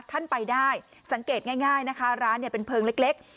ท่านไปได้สังเกตง่ายนะคะร้านเนี่ยเป็นเพลิงเล็ก